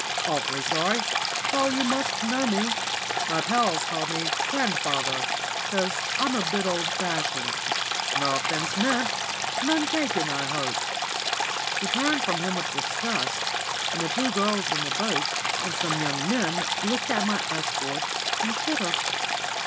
"Awfully sorry. Thought you must know me. My pals call me 'grandfather,' 'cause I'm a bit old fashioned. No offence meant, none taken I hope." She turned from him with disgust, and the two girls in the boat and some young men looked at my escort and tittered.